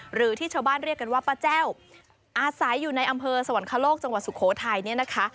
หรือที่ชาวบ้านเรียกกันว่าป้าแจ้วอาศัยอยู่ในอำเภอสวรรคโลกจังหวัดสุโขทัยเนี่ยนะคะ